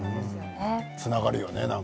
つながるよね。